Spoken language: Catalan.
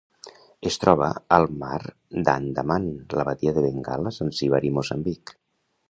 Es troba al Mar d'Andaman, la Badia de Bengala, Zanzíbar i Moçambic.